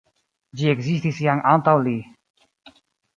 Ĝi ekzistis jam antaŭ li.